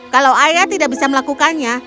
kalau ayah tidak bisa melakukannya